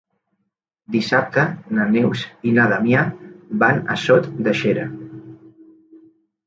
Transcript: Dissabte na Neus i na Damià van a Sot de Xera.